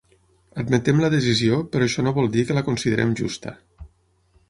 Admetem la decisió però això no vol dir que la considerem justa.